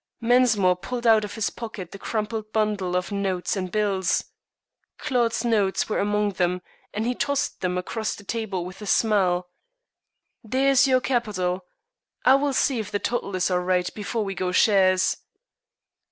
Mensmore pulled out of his pocket the crumpled bundle of notes and bills. Claude's notes were among them, and he tossed them across the table with a smile. "There's your capital. I will see if the total is all right before we go shares."